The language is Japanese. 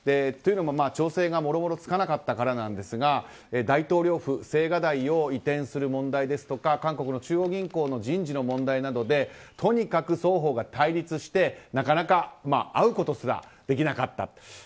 というのも調整がもろもろつかなかったからなんですが大統領、府青瓦台を移転する問題ですとか韓国の中央銀行の人事の問題などでとにかく双方が対立してなかなか会うことすらできなかった。